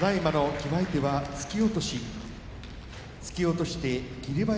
決まり手は突き落としです。